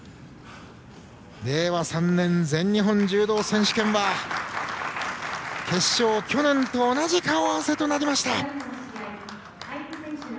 令和３年全日本柔道選手権は決勝、去年と同じ顔合わせとなりました。